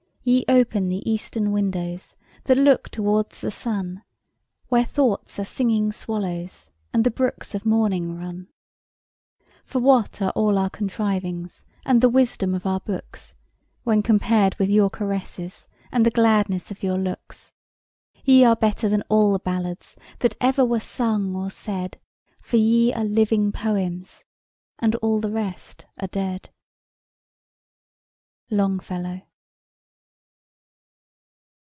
"Ye open the Eastern windows, That look towards the sun, Where thoughts are singing swallows, And the brooks of morning run. [Picture: Two young girls] "For what are all our contrivings And the wisdom of our books, When compared with your caresses, And the gladness of your looks? "Ye are better than all the ballads That ever were sung or said; For ye are living poems, And all the rest are dead." LONGFELLOW.